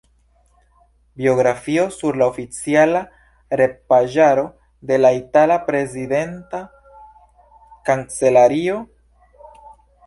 Biografio sur la oficiala retpaĝaro de la itala prezidenta kancelario.